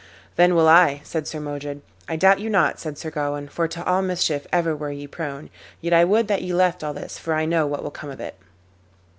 "Then will I," said Sir Modred. "I doubt you not," said Sir Gawain, "for to all mischief ever were ye prone; yet I would that ye left all this, for I know what will come of it."